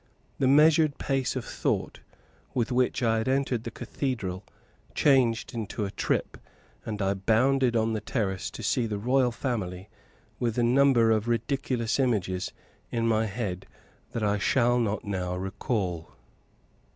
The measured pace of thought with which I had entered the cathedral changed into a trip; and I bounded on the terrace, to see the royal family, with a number of ridiculous images in my head that I shall not now recall.